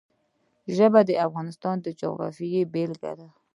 ژبې د افغانستان د جغرافیې بېلګه ده.